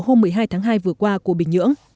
hôm một mươi hai tháng hai vừa qua của bình nhưỡng